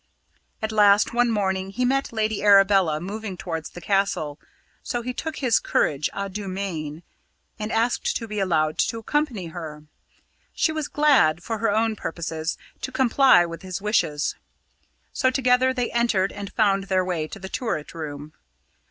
At last, one morning, he met Lady Arabella moving towards the Castle, so he took his courage a deux mains and asked to be allowed to accompany her. She was glad, for her own purposes, to comply with his wishes. So together they entered, and found their way to the turret room.